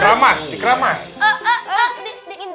dia udah ngerjain pr